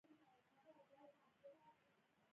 پابندی غرونه د افغانستان د ځمکې د جوړښت نښه ده.